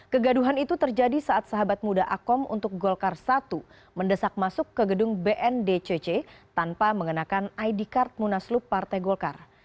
kegaduhan itu terjadi saat sahabat muda akom untuk golkar satu mendesak masuk ke gedung bndcc tanpa mengenakan id card munaslup partai golkar